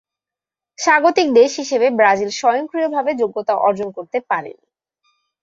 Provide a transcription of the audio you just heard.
স্বাগতিক দেশ হিসাবে ব্রাজিল স্বয়ংক্রিয়ভাবে যোগ্যতা অর্জন করতে পারেনি।